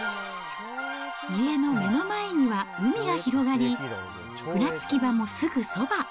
家の目の前には海が広がり、船着き場もすぐそば。